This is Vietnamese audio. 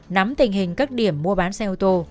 nắm tình hình các điểm mua bán xe ô tô